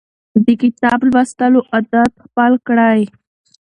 د کتاب لوستلو عادت خپل کړئ.